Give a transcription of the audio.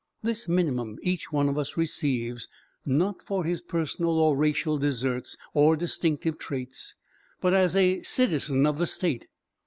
This minimum each one of us receives not for his personal or racial deserts or distinctive traits, but as a citizen of the state.